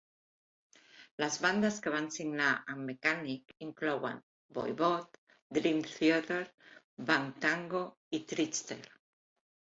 Les bandes que van signar amb Mechanic inclouen Voivod, Dream Theatre, Bang Tango i Trixter.